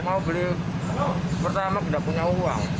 mau beli pertama tidak punya uang